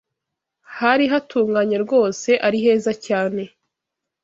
Hari hatunganye rwose, ari heza cyane